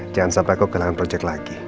jangan sampai aku kehilangan project lagi